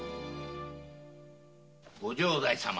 御城代様